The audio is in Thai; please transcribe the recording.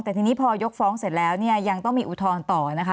แต่ทีนี้พอยกฟ้องเสร็จแล้วเนี่ยยังต้องมีอุทธรณ์ต่อนะคะ